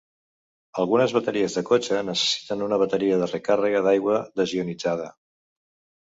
Algunes bateries de cotxe necessiten una bateria de recàrrega d'aigua desionitzada.